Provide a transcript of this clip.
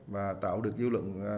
và tạo được dư luận